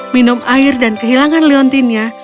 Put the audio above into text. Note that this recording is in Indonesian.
minum air dan kehilangan leontinnya